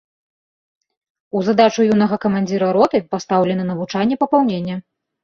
У задачу юнага камандзіра роты пастаўлена навучанне папаўнення.